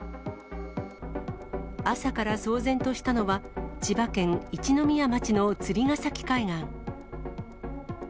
朝から騒然としたのは、千葉県一宮町の釣ヶ崎海岸。